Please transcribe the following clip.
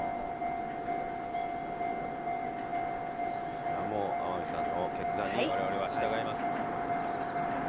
それはもう天海さんの決断に我々は従います。